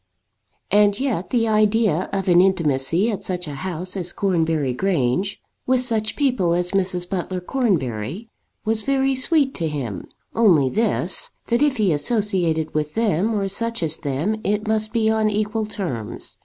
And yet the idea of an intimacy at such a house as Cornbury Grange, with such people as Mrs. Butler Cornbury, was very sweet to him; only this, that if he associated with them or such as them it must be on equal terms.